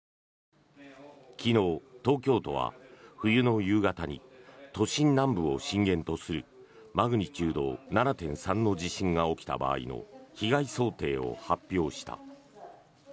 昨日、東京都は冬の夕方に都心南部を震源とするマグニチュード７．３の地震が起きた場合の被害想定を発表した。